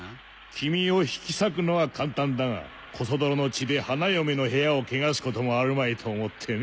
君を引き裂くのは簡単だがコソ泥の血で花嫁の部屋を汚すこともあるまいと思ってね。